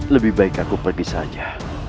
lebih baik aku pergi saja